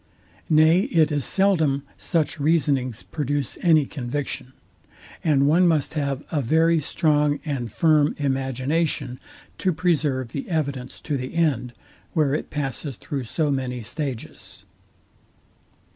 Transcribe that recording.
Nay it is seldom such reasonings produce any conviction; and one must have a very strong and firm imagination to preserve the evidence to the end, where it passes through so many, stages.